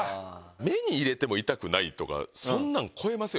目に入れても痛くないとかそんなん超えますよね。